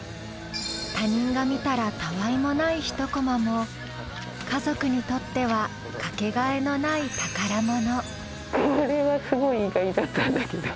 他人が見たらたわいもない一コマも家族にとってはかけがえのない宝物。